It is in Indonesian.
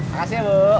makasih ya bu